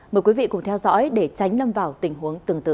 mời quý vị cùng theo dõi để tránh lâm vào tình huống tương tự